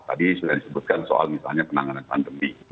tadi sudah disebutkan soal misalnya penanganan pandemi